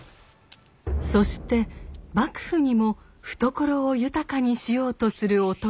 そして幕府にも懐を豊かにしようとする男が。